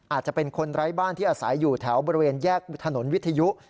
อาจจะเป็นคนไร้บ้านที่อาศัยอยู่แถวบริเวณแยกถนนวิทยุ